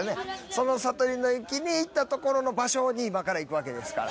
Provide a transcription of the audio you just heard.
その悟りの域にいったところの場所に今から行くわけですから。